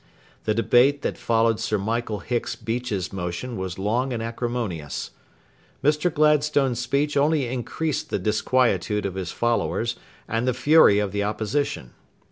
The debate that followed Sir Michael Hicks Beach's motion was long and acrimonious. Mr. Gladstone's speech only increased the disquietude of his followers and the fury of the Opposition.